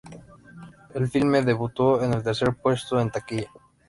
El filme debutó en el tercer puesto en taquilla.